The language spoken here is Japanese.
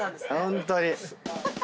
ホントに。